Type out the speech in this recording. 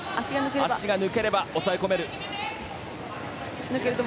足が抜ければ抑え込める。